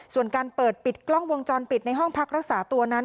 ส่วนการเปิดปิดกล้องวงจรปิดในห้องพักรักษาตัวนั้น